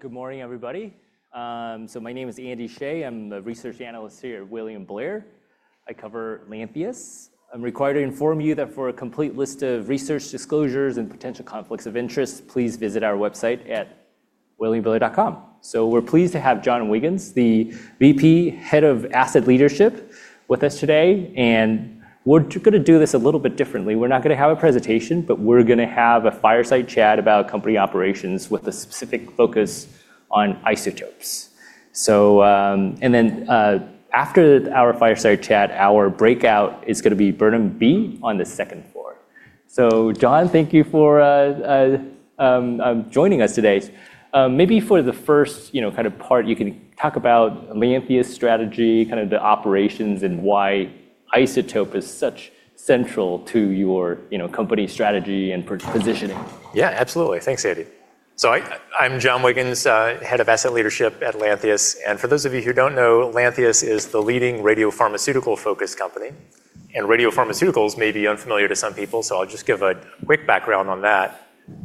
Good morning, everybody. My name is Andy Hsieh. I'm a research analyst here at William Blair. I cover Lantheus. I'm required to inform you that for a complete list of research disclosures and potential conflicts of interest, please visit our website at williamblair.com. We're pleased to have John Wiggins, the VP Head of Asset Leadership, with us today. We're going to do this a little bit differently. We're not going to have a presentation, but we're going to have a fireside chat about company operations with a specific focus on isotopes. After our fireside chat, our breakout is going to be Burnham B on the second floor. John, thank you for joining us today. Maybe for the first part, you can talk about Lantheus strategy, kind of the operations, and why isotope is such central to your company strategy and positioning. Absolutely. Thanks, Andy. I'm John Wiggins, Head of Asset Leadership at Lantheus, and for those of you who don't know, Lantheus is the leading radiopharmaceutical-focused company. Radiopharmaceuticals may be unfamiliar to some people, so I'll just give a quick background on that.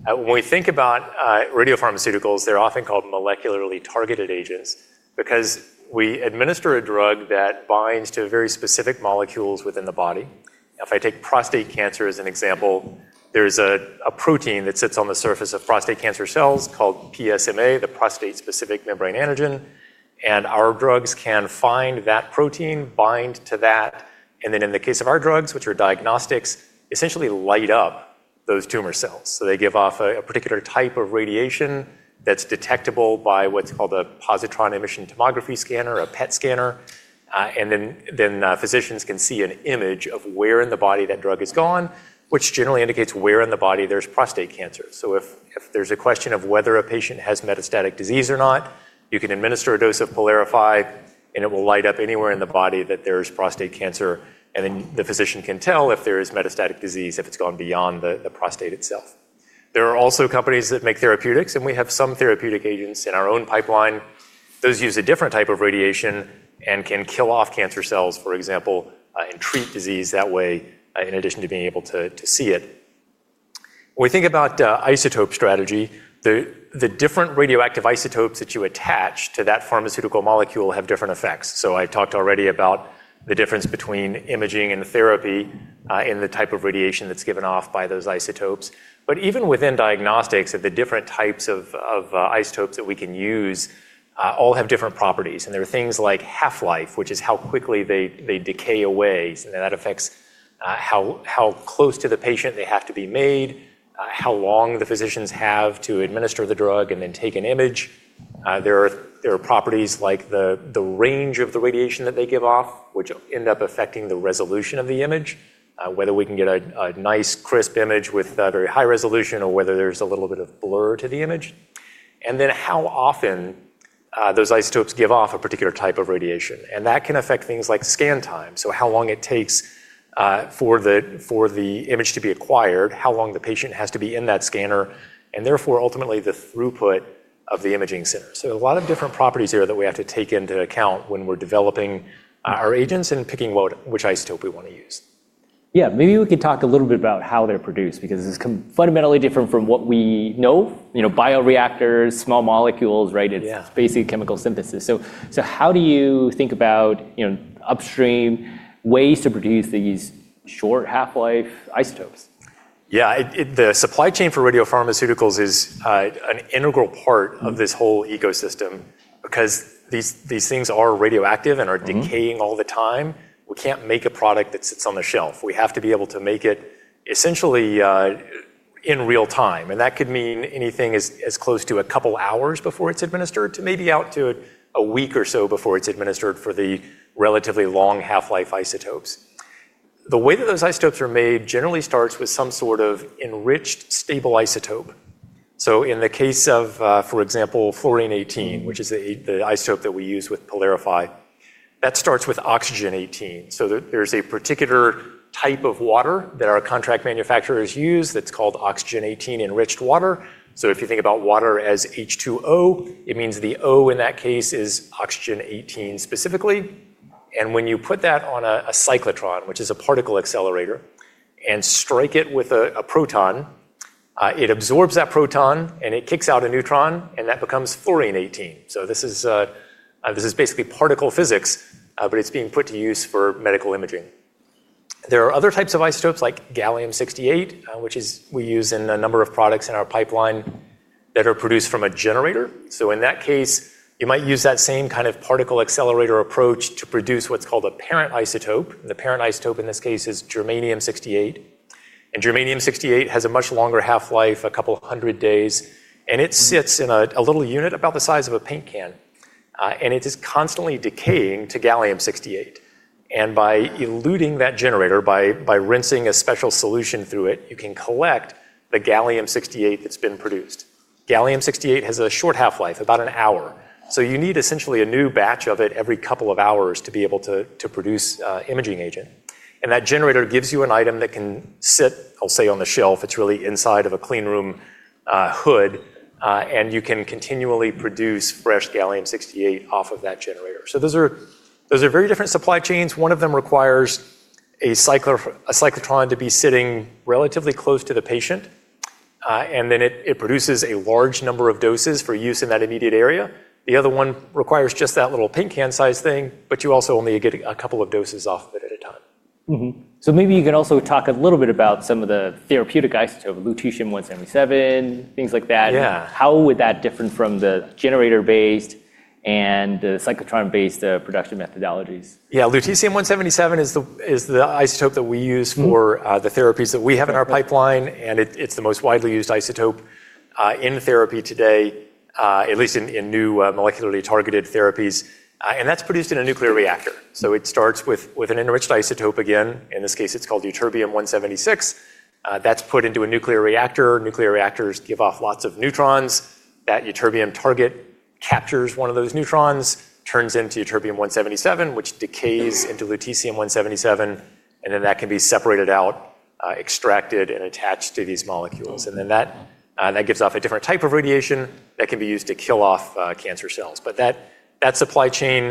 When we think about radiopharmaceuticals, they're often called molecularly targeted agents because we administer a drug that binds to very specific molecules within the body. If I take prostate cancer as an example, there's a protein that sits on the surface of prostate cancer cells called PSMA, the prostate-specific membrane antigen, and our drugs can find that protein, bind to that, and then, in the case of our drugs, which are diagnostics, essentially light up those tumor cells. They give off a particular type of radiation that's detectable by what's called a positron emission tomography scanner, a PET scanner, and then physicians can see an image of where in the body that drug has gone, which generally indicates where in the body there's prostate cancer. If there's a question of whether a patient has metastatic disease or not, you can administer a dose of PYLARIFY, and it will light up anywhere in the body that there's prostate cancer, and then the physician can tell if there is metastatic disease, if it's gone beyond the prostate itself. There are also companies that make therapeutics, and we have some therapeutic agents in our own pipeline. Those use a different type of radiation and can kill off cancer cells, for example, and treat disease that way, in addition to being able to see it. When we think about isotope strategy, the different radioactive isotopes that you attach to that pharmaceutical molecule have different effects. I talked already about the difference between imaging and therapy, and the type of radiation that's given off by those isotopes. Even within diagnostics, the different types of isotopes that we can use all have different properties. There are things like half-life, which is how quickly they decay away. That affects how close to the patient they have to be made, how long the physicians have to administer the drug and then take an image. There are properties like the range of the radiation that they give off, which end up affecting the resolution of the image, whether we can get a nice crisp image with very high resolution or whether there's a little bit of blur to the image. How often those isotopes give off a particular type of radiation, and that can affect things like scan time, so how long it takes for the image to be acquired, how long the patient has to be in that scanner, and therefore, ultimately, the throughput of the imaging center. A lot of different properties here that we have to take into account when we're developing our agents and picking which isotope we want to use. Yeah. Maybe we can talk a little bit about how they're produced, because it's fundamentally different from what we know. Bioreactors, small molecules, right? Yeah. It's basically chemical synthesis. How do you think about upstream ways to produce these short half-life isotopes? Yeah. The supply chain for radiopharmaceuticals is an integral part of this whole ecosystem because these things are radioactive and are decaying all the time. We can't make a product that sits on the shelf. We have to be able to make it essentially in real time, and that could mean anything as close to a couple hours before it's administered, to maybe out to a week or so before it's administered for the relatively long half-life isotopes. The way that those isotopes are made generally starts with some sort of enriched stable isotope. In the case of, for example, fluorine-18, which is the isotope that we use with PYLARIFY, that starts with oxygen-18. There's a particular type of water that our contract manufacturers use that's called oxygen-18 enriched water. If you think about water as H2O, it means the O in that case is oxygen-18 specifically, and when you put that on a cyclotron, which is a particle accelerator, and strike it with a proton, it absorbs that proton and it kicks out a neutron, and that becomes fluorine-18. This is basically particle physics, but it's being put to use for medical imaging. There are other types of isotopes, like gallium-68, which we use in a number of products in our pipeline that are produced from a generator. In that case, you might use that same kind of particle accelerator approach to produce what's called a parent isotope. The parent isotope in this case is germanium-68. Germanium-68 has a much longer half-life, a couple of hundred days, and it sits in a little unit about the size of a paint can. It is constantly decaying to gallium-68. By eluting that generator, by rinsing a special solution through it, you can collect the gallium-68 that's been produced. Gallium-68 has a short half-life, about one hour. You need essentially a new batch of it every couple of hours to be able to produce a imaging agent. That generator gives you an item that can sit, I'll say, on the shelf. It's really inside of a clean room hood, and you can continually produce fresh gallium-68 off of that generator. Those are very different supply chains. One of them requires a cyclotron to be sitting relatively close to the patient, and then it produces a large number of doses for use in that immediate area. The other one requires just that little paint can size thing, but you also only get a couple of doses off of it at a time. Maybe you can also talk a little bit about some of the therapeutic isotopes, lutetium-177, things like that. Yeah. How would that differ from the generator-based and the cyclotron-based production methodologies? Yeah. Lutetium-177 is the isotope that we use. the therapies that we have in our pipeline, and it's the most widely used isotope in therapy today, at least in new molecularly targeted therapies. That's produced in a nuclear reactor. It starts with an enriched isotope again. In this case, it's called ytterbium-176. That's put into a nuclear reactor. Nuclear reactors give off lots of neutrons. That ytterbium target captures one of those neutrons, turns into ytterbium-177, which decays into lutetium-177, and then that can be separated out, extracted, and attached to these molecules. That gives off a different type of radiation that can be used to kill off cancer cells. That supply chain,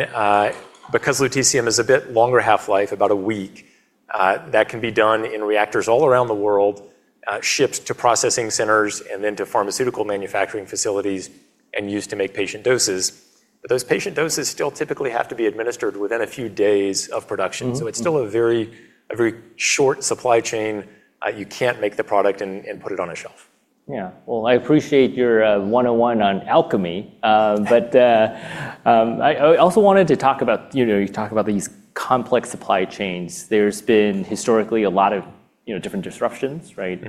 because lutetium has a bit longer half-life, about a week, that can be done in reactors all around the world, shipped to processing centers, and then to pharmaceutical manufacturing facilities, and used to make patient doses. Those patient doses still typically have to be administered within a few days of production. It's still a very short supply chain. You can't make the product and put it on a shelf. Yeah. Well, I appreciate your 101 on alchemy. I also wanted to talk about these complex supply chains. There's been historically a lot of different disruptions, right?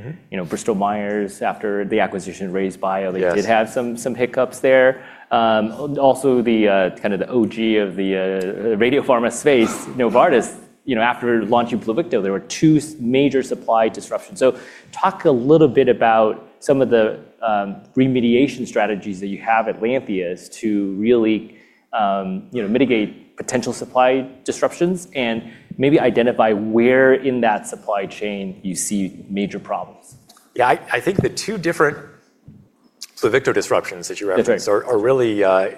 Bristol Myers, after the acquisition of RayzeBio. Yes They did have some hiccups there. Also the OG of the radiopharma space, Novartis, after launching PLUVICTO, there were two major supply disruptions. Talk a little bit about some of the remediation strategies that you have at Lantheus to really mitigate potential supply disruptions, and maybe identify where in that supply chain you see major problems. Yeah. I think the two different PLUVICTO disruptions that you referenced. Right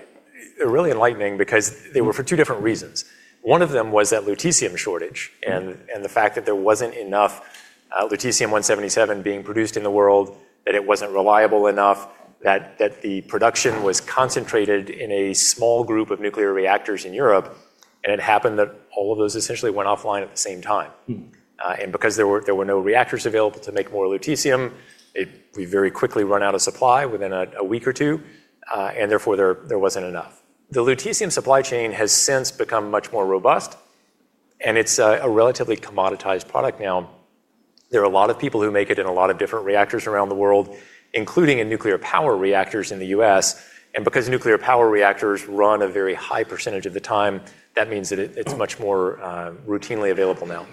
are really enlightening because they were for two different reasons. One of them was that lutetium shortage and the fact that there wasn't enough lutetium-177 being produced in the world, that it wasn't reliable enough, that the production was concentrated in a small group of nuclear reactors in Europe. It happened that all of those essentially went offline at the same time. Because there were no reactors available to make more lutetium, we very quickly run out of supply within a week or two, and therefore there wasn't enough. The lutetium supply chain has since become much more robust, and it's a relatively commoditized product now. There are a lot of people who make it in a lot of different reactors around the world, including in nuclear power reactors in the U.S. Because nuclear power reactors run a very high percentage of the time, that means that it's much more routinely available now.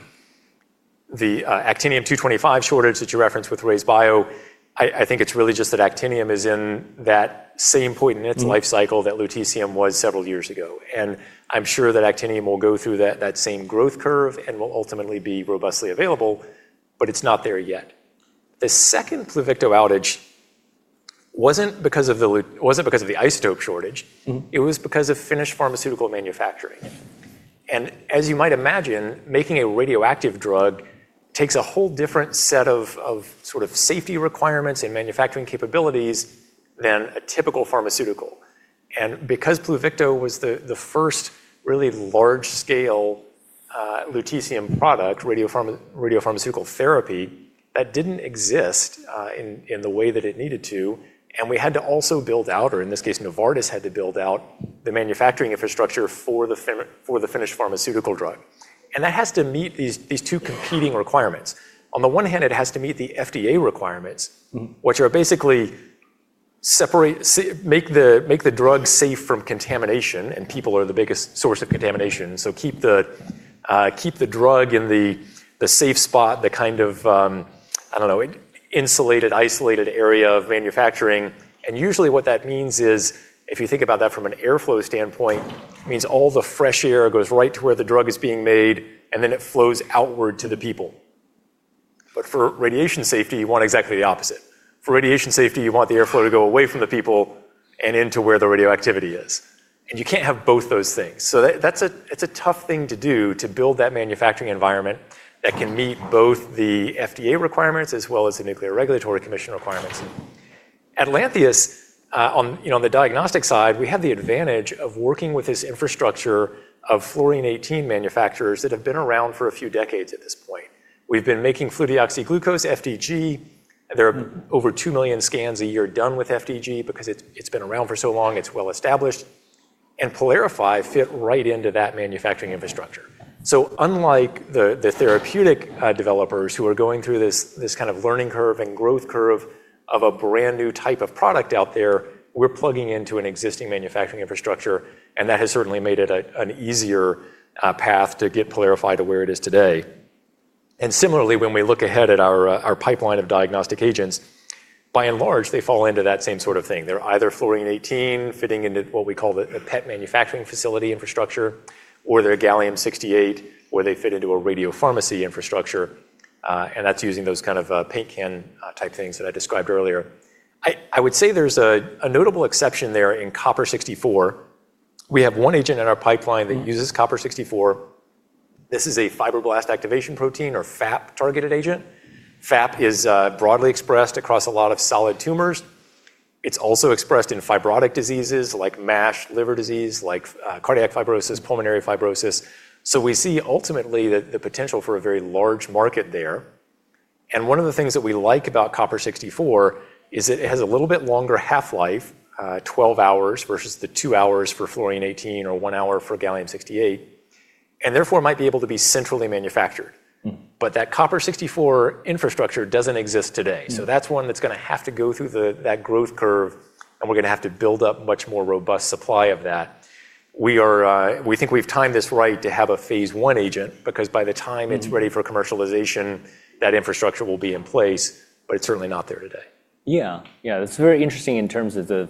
The actinium-225 shortage that you referenced with RayzeBio, I think it's really just that actinium is in that same point in its life cycle. that lutetium was several years ago. I'm sure that actinium will go through that same growth curve and will ultimately be robustly available, but it's not there yet. The second PLUVICTO outage wasn't because of the isotope shortage. It was because of finished pharmaceutical manufacturing. As you might imagine, making a radioactive drug takes a whole different set of sort of safety requirements and manufacturing capabilities than a typical pharmaceutical. Because PLUVICTO was the first really large-scale lutetium product, radiopharmaceutical therapy, that didn't exist in the way that it needed to, and we had to also build out, or in this case, Novartis had to build out the manufacturing infrastructure for the finished pharmaceutical drug. That has to meet these two competing requirements. On the one hand, it has to meet the FDA requirements which are basically make the drug safe from contamination. People are the biggest source of contamination, so keep the drug in the safe spot, the kind of insulated, isolated area of manufacturing. Usually what that means is, if you think about that from an airflow standpoint, it means all the fresh air goes right to where the drug is being made. It then flows outward to the people. For radiation safety, you want exactly the opposite. For radiation safety, you want the airflow to go away from the people and into where the radioactivity is. You can't have both those things. That's a tough thing to do to build that manufacturing environment that can meet both the FDA requirements as well as the Nuclear Regulatory Commission requirements. At Lantheus, on the diagnostic side, we have the advantage of working with this infrastructure of fluorine-18 manufacturers that have been around for a few decades at this point. We've been making fluorodeoxyglucose, FDG. There are over two million scans a year done with FDG because it's been around for so long, it's well-established, and PYLARIFY fit right into that manufacturing infrastructure. Unlike the therapeutic developers who are going through this kind of learning curve and growth curve of a brand-new type of product out there, we're plugging into an existing manufacturing infrastructure, and that has certainly made it an easier path to get PYLARIFY to where it is today. Similarly, when we look ahead at our pipeline of diagnostic agents, by and large, they fall into that same sort of thing. They're either fluorine-18, fitting into what we call the PET manufacturing facility infrastructure, or they're gallium-68, where they fit into a radiopharmacy infrastructure. That's using those kind of paint can type things that I described earlier. I would say there's a notable exception there in copper-64. We have one agent in our pipeline that uses copper-64. This is a fibroblast activation protein, or FAP-targeted agent. FAP is broadly expressed across a lot of solid tumors. It's also expressed in fibrotic diseases like MASH liver disease, like cardiac fibrosis, pulmonary fibrosis. We see, ultimately, the potential for a very large market there. One of the things that we like about copper-64 is that it has a little bit longer half-life, 12 hours, versus the two hours for fluorine-18, or one hour for gallium-68, and therefore might be able to be centrally manufactured. That copper-64 infrastructure doesn't exist today. That's one that's going to have to go through that growth curve, and we're going to have to build up much more robust supply of that. We think we've timed this right to have a phase I agent, because by the time it's ready for commercialization, that infrastructure will be in place, but it's certainly not there today. Yeah. It is very interesting in terms of the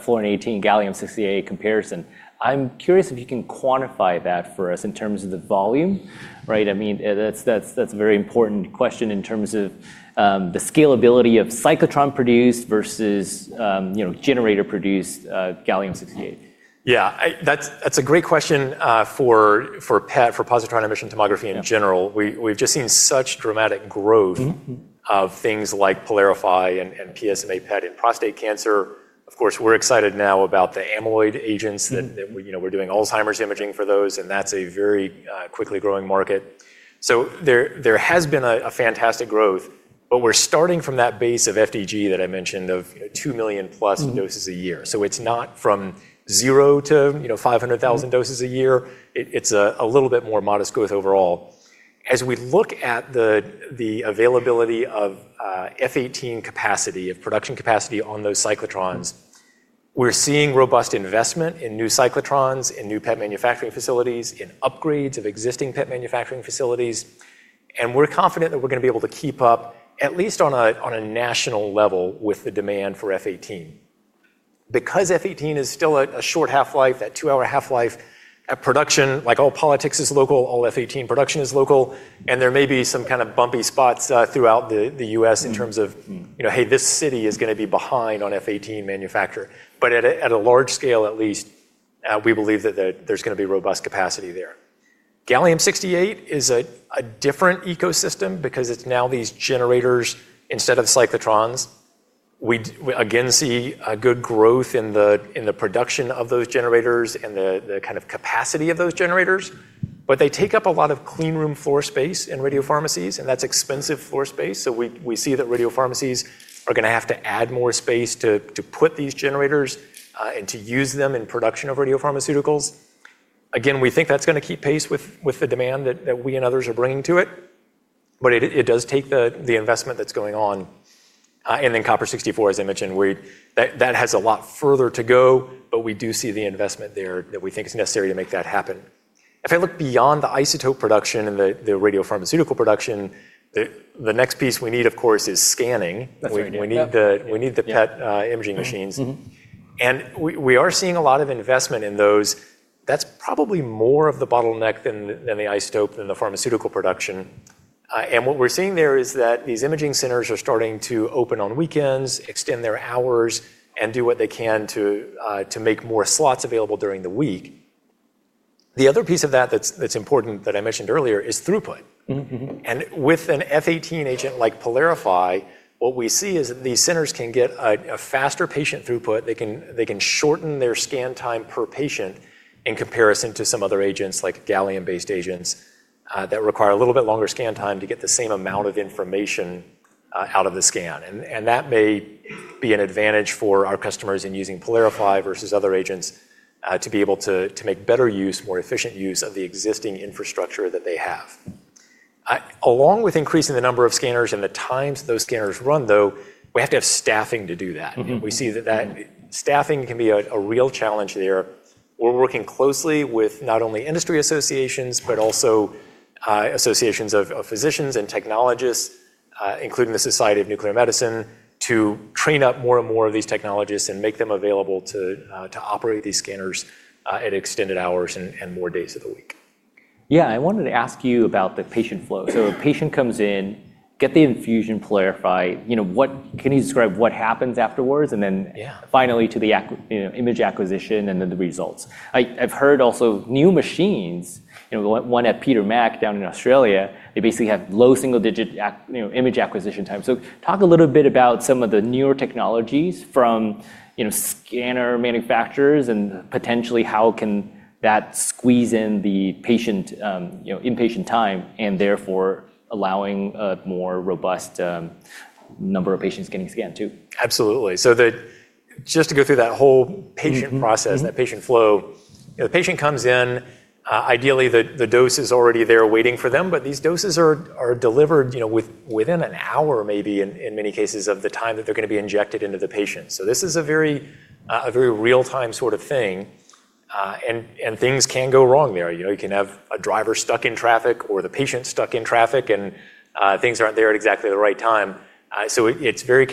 fluorine-18, gallium-68 comparison. I am curious if you can quantify that for us in terms of the volume. Right? That is a very important question in terms of the scalability of cyclotron-produced versus generator-produced gallium-68. Yeah. That's a great question for PET, for positron emission tomography in general. We've just seen such dramatic growth. Of things like PYLARIFY and PSMA PET in prostate cancer. Of course, we're excited now about the amyloid agents. We're doing Alzheimer's imaging for those, and that's a very quickly growing market. There has been a fantastic growth. We're starting from that base of FDG that I mentioned, of 2+ million doses a year. It's not from zero to 500,000 doses a year. It's a little bit more modest growth overall. As we look at the availability of F-18 capacity, of production capacity on those cyclotrons, we're seeing robust investment in new cyclotrons and new PET manufacturing facilities, in upgrades of existing PET manufacturing facilities. We're confident that we're going to be able to keep up, at least on a national level, with the demand for F-18. F-18 is still a short half-life, that two-hour half-life, at production, like all politics is local, all F-18 production is local, and there may be some kind of bumpy spots throughout the U.S. Hey, this city is going to be behind on F-18 manufacture. At a large scale at least, we believe that there's going to be robust capacity there. Gallium-68 is a different ecosystem because it's now these generators instead of cyclotrons. We, again, see a good growth in the production of those generators and the capacity of those generators. They take up a lot of clean room floor space in radiopharmacies, and that's expensive floor space. We see that radiopharmacies are going to have to add more space to put these generators and to use them in production of radiopharmaceuticals. Again, we think that's going to keep pace with the demand that we and others are bringing to it, but it does take the investment that's going on. Copper-64, as I mentioned, that has a lot further to go, but we do see the investment there that we think is necessary to make that happen. I look beyond the isotope production and the radiopharmaceutical production, the next piece we need, of course, is scanning. That's right, yeah. We need the PET imaging machines. We are seeing a lot of investment in those. That's probably more of the bottleneck than the isotope, than the pharmaceutical production. What we're seeing there is that these imaging centers are starting to open on weekends, extend their hours, and do what they can to make more slots available during the week. The other piece of that that's important that I mentioned earlier is throughput. With an F-18 agent like PYLARIFY, what we see is that these centers can get a faster patient throughput. They can shorten their scan time per patient in comparison to some other agents, like gallium-based agents, that require a little bit longer scan time to get the same amount of information out of the scan. That may be an advantage for our customers in using PYLARIFY versus other agents to be able to make better use, more efficient use, of the existing infrastructure that they have. Along with increasing the number of scanners and the times those scanners run, though, we have to have staffing to do that. We see that staffing can be a real challenge there. We're working closely with not only industry associations, but also associations of physicians and technologists, including the Society of Nuclear Medicine, to train up more and more of these technologists and make them available to operate these scanners at extended hours and more days of the week. Yeah. I wanted to ask you about the patient flow. A patient comes in, get the infusion PYLARIFY. Can you describe what happens afterwards? Yeah finally to the image acquisition and then the results. I've heard also new machines, one at Peter Mac down in Australia, they basically have low single-digit image acquisition time. Talk a little bit about some of the newer technologies from scanner manufacturers and potentially how can that squeeze in the inpatient time and therefore allowing a more robust number of patients getting scanned, too. Absolutely. Just to go through that whole patient process. that patient flow. The patient comes in, ideally the dose is already there waiting for them. These doses are delivered within an hour, maybe, in many cases, of the time that they're going to be injected into the patient. This is a very real-time sort of thing, and things can go wrong there. You can have a driver stuck in traffic or the patient stuck in traffic, and things aren't there at exactly the right time. It takes very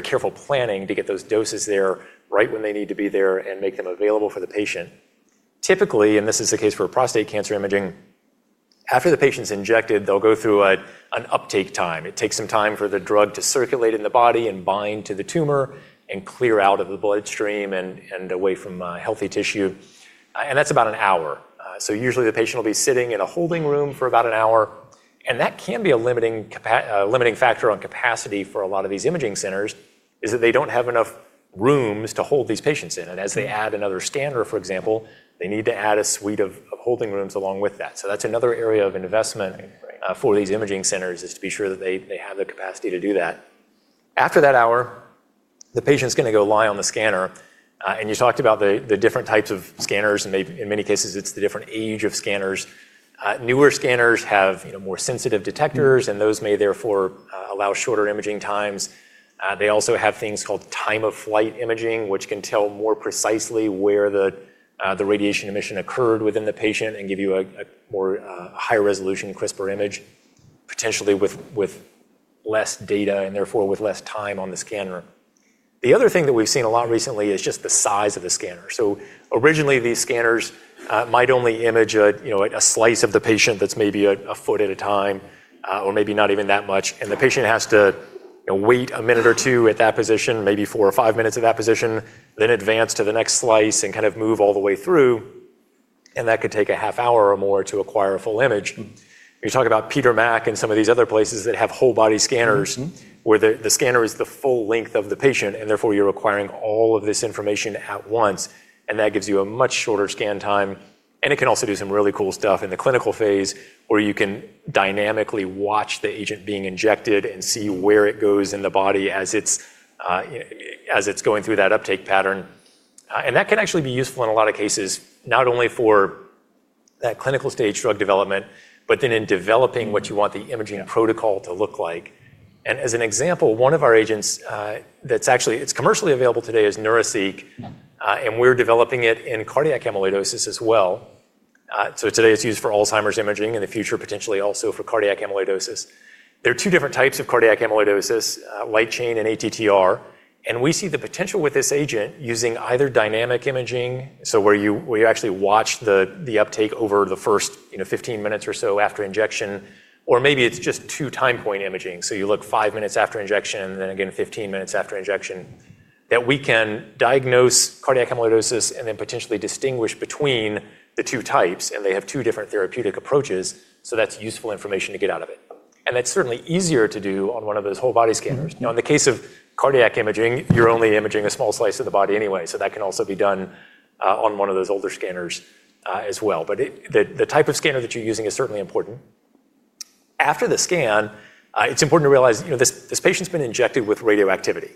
careful planning to get those doses there right when they need to be there and make them available for the patient. Typically, and this is the case for prostate cancer imaging. After the patient's injected, they'll go through an uptake time. It takes some time for the drug to circulate in the body and bind to the tumor and clear out of the bloodstream and away from healthy tissue, and that's about an hour. Usually the patient will be sitting in a holding room for about an hour, and that can be a limiting factor on capacity for a lot of these imaging centers, is that they don't have enough rooms to hold these patients in. As they add another scanner, for example, they need to add a suite of holding rooms along with that. That's another area of investment. Right for these imaging centers, is to be sure that they have the capacity to do that. After that hour, the patient's going to go lie on the scanner. You talked about the different types of scanners, and in many cases, it's the different age of scanners. Newer scanners have more sensitive detectors, and those may therefore allow shorter imaging times. They also have things called time-of-flight imaging, which can tell more precisely where the radiation emission occurred within the patient and give you a higher resolution, crisper image, potentially with less data, and therefore with less time on the scanner. The other thing that we've seen a lot recently is just the size of the scanner. Originally, these scanners might only image a slice of the patient that's maybe one foot at a time, or maybe not even that much, and the patient has to wait one minute or two at that position, maybe four or five minutes at that position, then advance to the next slice and kind of move all the way through, and that could take a half hour or more to acquire a full image. You talk about Peter Mac and some of these other places that have whole body scanners- where the scanner is the full length of the patient, therefore you're acquiring all of this information at once, that gives you a much shorter scan time. It can also do some really cool stuff in the clinical phase, where you can dynamically watch the agent being injected and see where it goes in the body as it's going through that uptake pattern. That can actually be useful in a lot of cases, not only for that clinical stage drug development, then in developing what you want the imaging protocol to look like. As an example, one of our agents that's actually commercially available today is Neuraceq, we're developing it in cardiac amyloidosis as well. Today it's used for Alzheimer's imaging. In the future, potentially also for cardiac amyloidosis. There are two different types of cardiac amyloidosis, light chain and ATTR. We see the potential with this agent using either dynamic imaging, so where you actually watch the uptake over the first 15 minutes or so after injection, or maybe it's just two time point imaging. You look five minutes after injection, and then again 15 minutes after injection, that we can diagnose cardiac amyloidosis and then potentially distinguish between the two types, and they have two different therapeutic approaches. That's useful information to get out of it. That's certainly easier to do on one of those whole body scanners. In the case of cardiac imaging, you're only imaging a small slice of the body anyway. That can also be done on one of those older scanners as well. The type of scanner that you're using is certainly important. After the scan, it's important to realize this patient's been injected with radioactivity,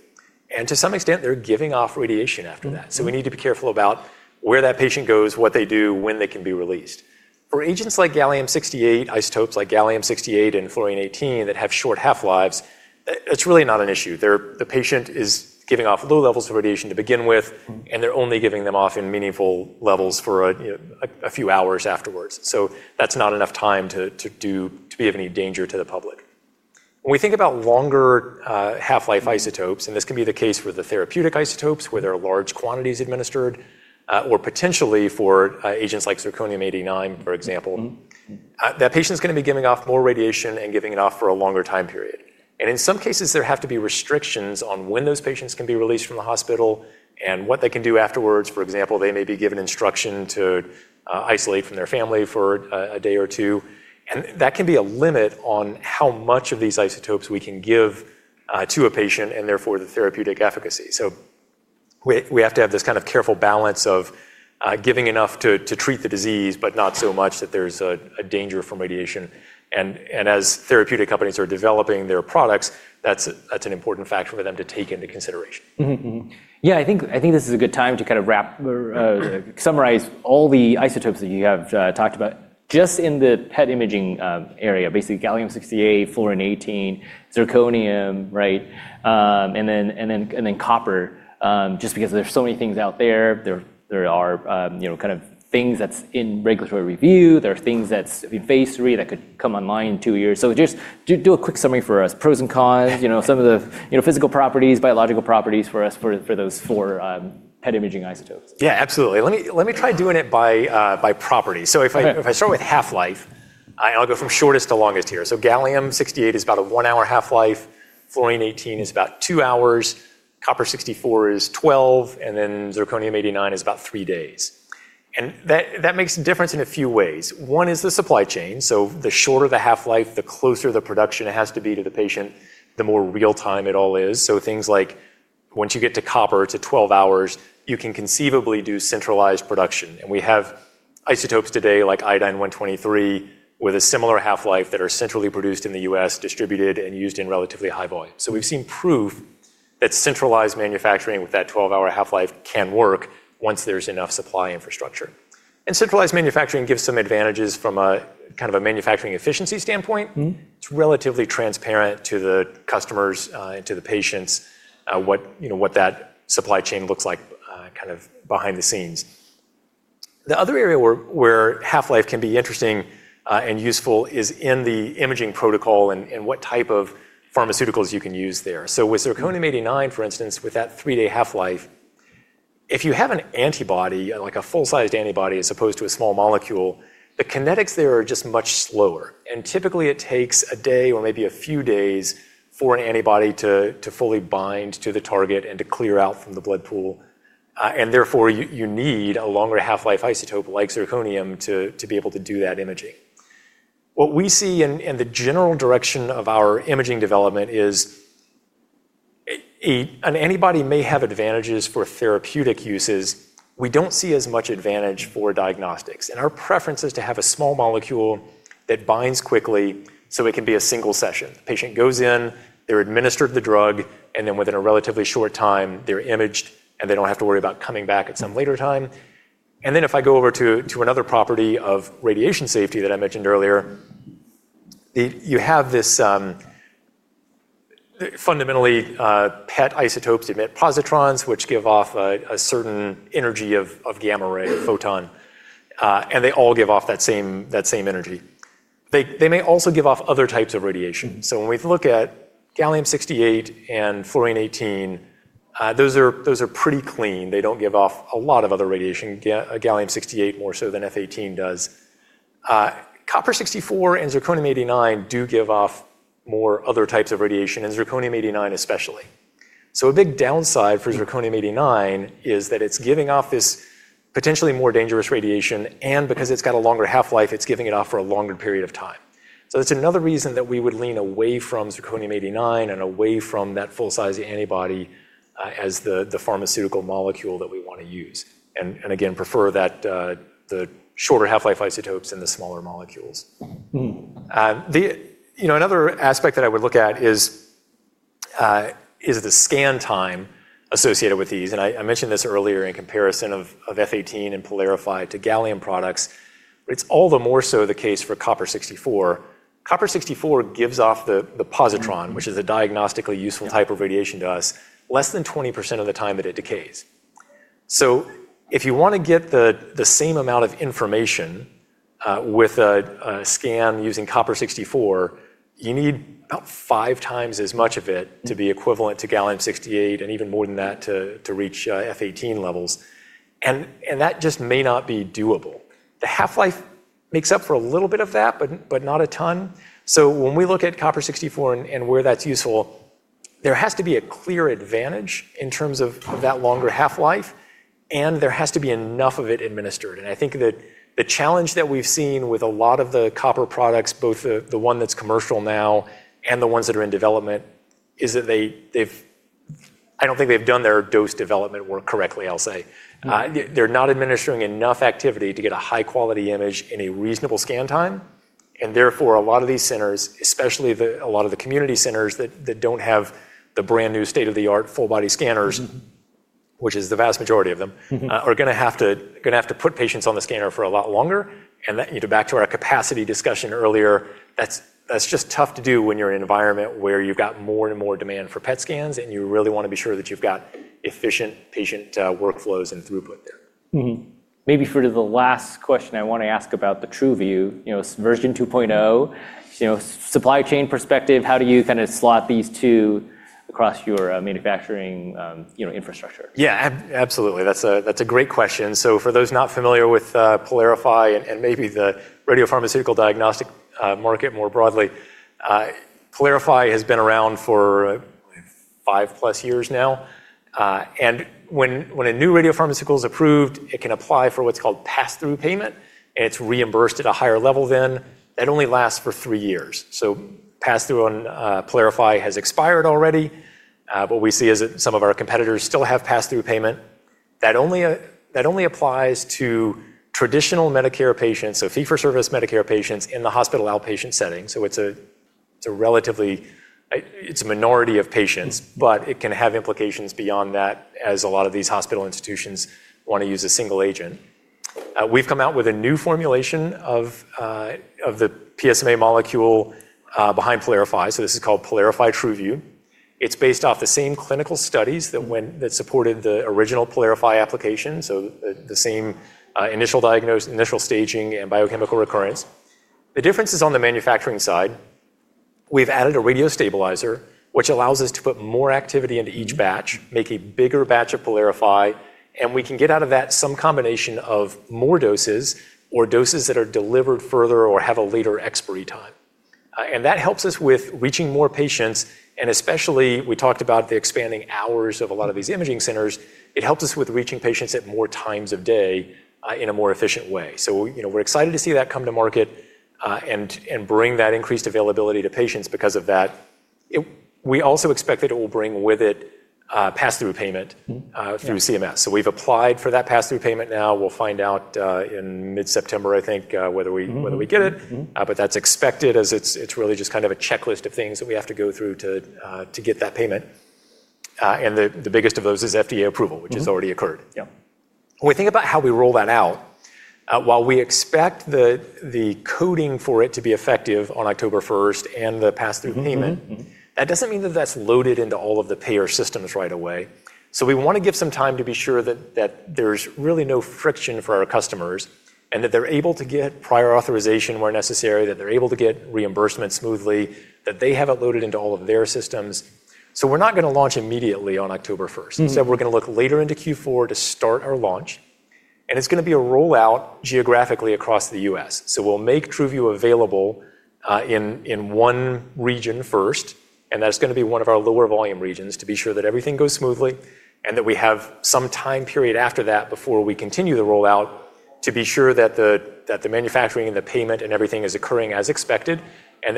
and to some extent, they're giving off radiation after that. We need to be careful about where that patient goes, what they do, when they can be released. For agents like gallium-68, isotopes like gallium-68 and fluorine-18 that have short half-lives, it's really not an issue. The patient is giving off low levels of radiation to begin with, and they're only giving them off in meaningful levels for a few hours afterwards. That's not enough time to be of any danger to the public. When we think about longer half-life isotopes, and this can be the case for the therapeutic isotopes, where there are large quantities administered, or potentially for agents like zirconium-89, for example. That patient's going to be giving off more radiation and giving it off for a longer time period. In some cases, there have to be restrictions on when those patients can be released from the hospital and what they can do afterwards. For example, they may be given instruction to isolate from their family for a day or two, and that can be a limit on how much of these isotopes we can give to a patient, and therefore the therapeutic efficacy. We have to have this kind of careful balance of giving enough to treat the disease, but not so much that there's a danger from radiation. As therapeutic companies are developing their products, that's an important factor for them to take into consideration. I think this is a good time to kind of summarize all the isotopes that you have talked about just in the PET imaging area, basically gallium-68, fluorine-18, zirconium, right? copper. Just because there's so many things out there. There are kind of things that's in regulatory review. There are things that's in phase III that could come online in two years. Just do a quick summary for us, pros and cons. Some of the physical properties, biological properties for us for those four PET imaging isotopes. Yeah, absolutely. Let me try doing it by property. Okay. If I start with half-life, and I'll go from shortest to longest here. Gallium-68 is about a one-hour half-life, fluorine-18 is about two hours, copper-64 is 12, and then zirconium-89 is about 3 days. That makes a difference in a few ways. One is the supply chain. The shorter the half-life, the closer the production has to be to the patient, the more real-time it all is. Things like once you get to copper, to 12 hours, you can conceivably do centralized production. We have isotopes today, like iodine-123 with a similar half-life that are centrally produced in the U.S., distributed, and used in relatively high volume. We've seen proof that centralized manufacturing with that 12-hour half-life can work once there's enough supply infrastructure. Centralized manufacturing gives some advantages from a kind of a manufacturing efficiency standpoint. It's relatively transparent to the customers and to the patients what that supply chain looks like kind of behind the scenes. The other area where half-life can be interesting and useful is in the imaging protocol and what type of pharmaceuticals you can use there. With zirconium-89, for instance, with that three-day half-life, if you have an antibody, like a full-sized antibody as opposed to a small molecule, the kinetics there are just much slower. Typically, it takes a day or maybe a few days for an antibody to fully bind to the target and to clear out from the blood pool. Therefore, you need a longer half-life isotope like zirconium to be able to do that imaging. What we see in the general direction of our imaging development is an antibody may have advantages for therapeutic uses. We don't see as much advantage for diagnostics, and our preference is to have a small molecule that binds quickly so it can be a single session. The patient goes in, they're administered the drug, and then within a relatively short time, they're imaged, and they don't have to worry about coming back at some later time. If I go over to another property of radiation safety that I mentioned earlier, you have this, fundamentally, PET isotopes emit positrons, which give off a certain energy of gamma ray photon. They all give off that same energy. They may also give off other types of radiation. When we look at gallium-68 and fluorine-18, those are pretty clean. They don't give off a lot of other radiation. Gallium-68 more so than F-18 does. Copper-64 and zirconium-89 do give off more other types of radiation, and zirconium-89 especially. A big downside for zirconium-89 is that it's giving off this potentially more dangerous radiation, and because it's got a longer half-life, it's giving it off for a longer period of time. That's another reason that we would lean away from zirconium-89 and away from that full-size antibody as the pharmaceutical molecule that we want to use, and again, prefer the shorter half-life isotopes and the smaller molecules. Another aspect that I would look at is the scan time associated with these. I mentioned this earlier in comparison of F-18 and PYLARIFY to gallium products. It's all the more so the case for copper-64. Copper-64 gives off the positron, which is a diagnostically useful type of radiation to us, less than 20% of the time that it decays. If you want to get the same amount of information with a scan using copper-64, you need about five times as much of it to be equivalent to gallium-68 and even more than that to reach F-18 levels. That just may not be doable. The half-life makes up for a little bit of that, but not a ton. When we look at copper-64 and where that's useful, there has to be a clear advantage in terms of that longer half-life, and there has to be enough of it administered. I think that the challenge that we've seen with a lot of the copper products, both the one that's commercial now and the ones that are in development, is that I don't think they've done their dose development work correctly, I'll say. They're not administering enough activity to get a high-quality image in a reasonable scan time, and therefore, a lot of these centers, especially a lot of the community centers that don't have the brand-new state-of-the-art full-body scanners which is the vast majority of them are going to have to put patients on the scanner for a lot longer. Back to our capacity discussion earlier, that's just tough to do when you're in an environment where you've got more and more demand for PET scans, and you really want to be sure that you've got efficient patient workflows and throughput there. Maybe for the last question I want to ask about the TruVu, version 2.0, supply chain perspective, how do you kind of slot these two across your manufacturing infrastructure? Yeah, absolutely. That's a great question. For those not familiar with PYLARIFY and maybe the radiopharmaceutical diagnostic market more broadly, PYLARIFY has been around for 5+ years now. When a new radiopharmaceutical is approved, it can apply for what's called pass-through payment, and it's reimbursed at a higher level then. That only lasts for three years. Pass-through on PYLARIFY has expired already. What we see is that some of our competitors still have pass-through payment. That only applies to traditional Medicare patients, so fee-for-service Medicare patients in the hospital outpatient setting. It's a minority of patients, but it can have implications beyond that, as a lot of these hospital institutions want to use a single agent. We've come out with a new formulation of the PSMA molecule behind PYLARIFY, so this is called PYLARIFY TruVu. It's based off the same clinical studies that supported the original PYLARIFY application, so the same initial staging, and biochemical recurrence. The difference is on the manufacturing side. We've added a radiostabilizer, which allows us to put more activity into each batch, make a bigger batch of PYLARIFY, we can get out of that some combination of more doses or doses that are delivered further or have a later expiry time. That helps us with reaching more patients, and especially we talked about the expanding hours of a lot of these imaging centers. It helps us with reaching patients at more times of day in a more efficient way. We're excited to see that come to market, and bring that increased availability to patients because of that. We also expect that it will bring with it pass-through payment. Yeah. through CMS. We've applied for that pass-through payment now. We'll find out in mid-September, I think, whether we get it. That's expected as it's really just kind of a checklist of things that we have to go through to get that payment. The biggest of those is FDA approval. which has already occurred. Yeah. When we think about how we roll that out, while we expect the coding for it to be effective on October 1st and the pass-through payment. We want to give some time to be sure that there's really no friction for our customers, and that they're able to get prior authorization where necessary, that they're able to get reimbursement smoothly, that they have it loaded into all of their systems. We're not going to launch immediately on October 1st. Instead, we're going to look later into Q4 to start our launch. It's going to be a rollout geographically across the U.S. We'll make TruVu available in one region first. That's going to be one of our lower volume regions to be sure that everything goes smoothly. We have some time period after that before we continue the rollout to be sure that the manufacturing and the payment and everything is occurring as expected.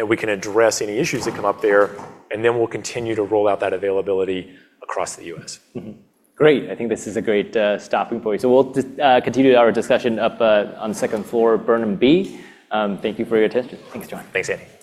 We can address any issues that come up there. Then we'll continue to roll out that availability across the U.S. Mm-hmm. Great. I think this is a great stopping point. We'll continue our discussion up on the second floor, Burnham B. Thank you for your attention. Thanks, John. Thanks, Andy.